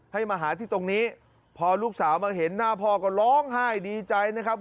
ให้มาหาที่ตรงนี้พอลูกสาวมาเห็นหน้าพ่อก็ร้องไห้ดีใจนะครับ